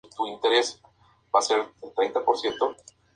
Estas notas caen dentro del rango de un bajo de cuatro cuerdas.